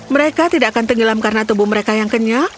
mereka tidak akan tenggelam karena tubuh mereka yang kenyal